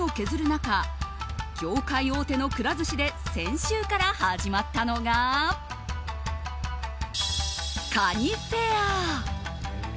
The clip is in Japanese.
中業界大手のくら寿司で先週から始まったのがかにフェア。